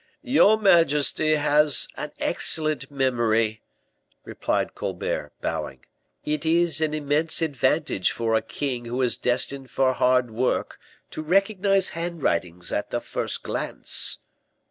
"Your majesty has an excellent memory," replied Colbert, bowing; "it is an immense advantage for a king who is destined for hard work to recognize handwritings at the first glance."